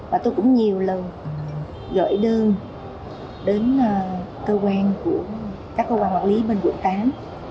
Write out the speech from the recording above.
và tôi cũng nhiều lần gửi đơn đến cơ quan của các cơ quan quản lý bên quận tám